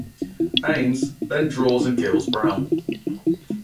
Haines then draws and kills Brown.